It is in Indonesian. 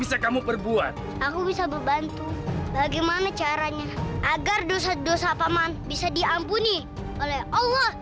bisa kamu perbuat aku bisa membantu bagaimana caranya agar dosa dosa paman bisa diampuni oleh allah